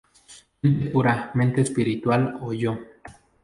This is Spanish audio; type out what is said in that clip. Mente Pura, Mente Espiritual o Yo.